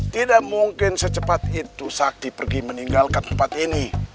tidak mungkin secepat itu sakti pergi meninggalkan tempat ini